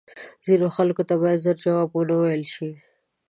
ځینو خلکو ته باید زر جواب وه نه ویل شې